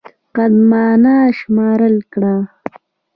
قدمانه شماره کړه.